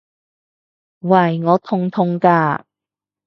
喂！我痛痛㗎！